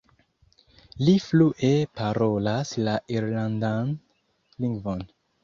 Li flue parolas la irlandan lingvon.